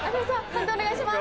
判定お願いします。